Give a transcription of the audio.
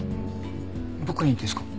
僕にですか？